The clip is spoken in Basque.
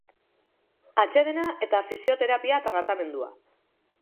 Atsedena eta fisioterapia tratamendua.